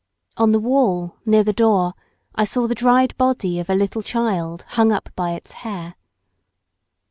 On the wall near the door I saw the dried body of a little child hung up by its hair.